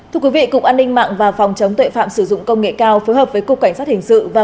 thưa quý vị cục an ninh mạng và phòng chống tuệ phạm sử dụng công nghệ cao phối hợp với cục cảnh sát hình sự và